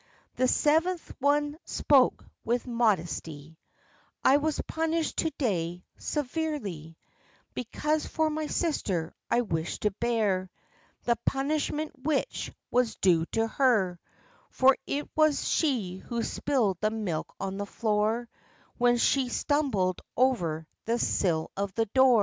The seventh one spoke with modesty: "I was punished to day severely, Because for my sister I wished to bear The punishment which was due to her ; For it was she who spilled the milk on the floor, When she stumbled over the sill of the door.